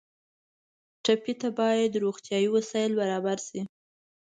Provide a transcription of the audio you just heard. ټپي ته باید روغتیایي وسایل برابر شي.